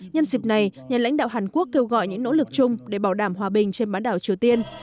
nhân dịp này nhà lãnh đạo hàn quốc kêu gọi những nỗ lực chung để bảo đảm hòa bình trên bán đảo triều tiên